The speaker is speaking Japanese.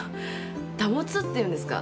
保っていうんですか？